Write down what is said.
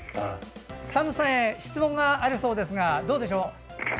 ＳＡＭさんへ質問があるそうですがどうでしょう？